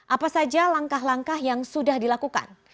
apa saja langkah langkah yang sudah dilakukan